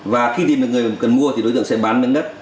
và khi tìm được người cần mua thì đối tượng sẽ bán lên đất